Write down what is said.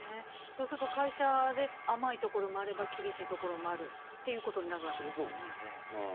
そうすると、会社で甘いところもあれば、厳しいところもあるっていうことになるわけですよね。